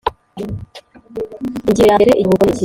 Ingingo ya mbere ikiruhuko niki